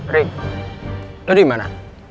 ring lu dimana